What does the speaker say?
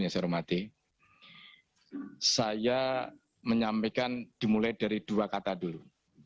saya menyampaikan dimulai dari dua kata dulu